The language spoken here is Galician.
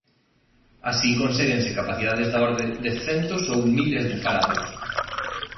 Así conséguense capacidades da orde de centos ou miles de faradios.